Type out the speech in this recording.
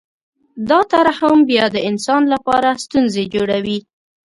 دا ترحم بیا د انسان لپاره ستونزې جوړوي